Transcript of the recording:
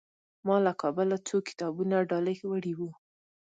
ما له کابله څو کتابونه ډالۍ وړي وو.